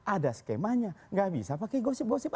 ada skemanya nggak bisa pakai gosip gosip